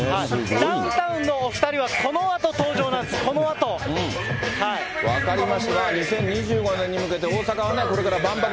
ダウンタウンのお２人はこのあと登場なんです、分かりました、２０２５年に向けて、大阪はこれから万博、